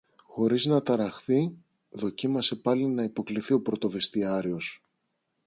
Χωρίς να ταραχθεί, δοκίμασε πάλι να υποκλιθεί ο πρωτοβεστιάριος.